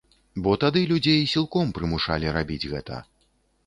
Бо тады людзей сілком прымушалі рабіць гэта.